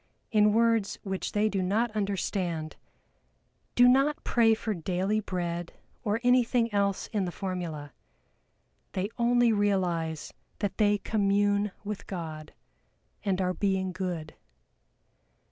in words which they do not understand, do not pray for daily bread or anything else in the formula; they only realize that they commune with God, and are being good.